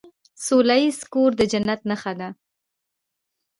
سوله ایز کور د جنت نښه ده.